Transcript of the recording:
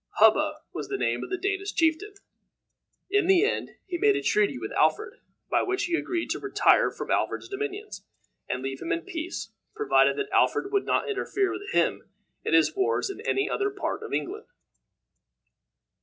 Hubba was the name of the Danish chieftain. In the end, he made a treaty with Alfred, by which he agreed to retire from Alfred's dominions, and leave him in peace, provided that Alfred would not interfere with him in his wars in any other part of England.